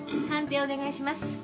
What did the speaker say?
鑑定お願いします。